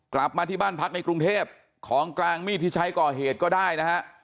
กลับมาที่บ้านพักในกรุงเทพของกลางมีดที่ใช้ก่อเหตุก็ได้นะฮะ